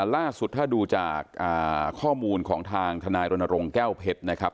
ล่าสุดถ้าดูจากข้อมูลของทางทนายรณรงค์แก้วเพชรนะครับ